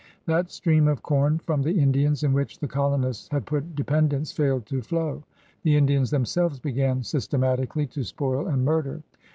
That stream of com from the Indians in which the colonists had put dependence failed to flow. The Indians themselves began systematic ally to spoil and murder.